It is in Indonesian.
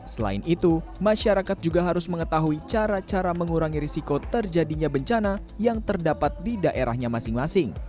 selain itu masyarakat juga harus mengetahui cara cara mengurangi risiko terjadinya bencana yang terdapat di daerahnya masing masing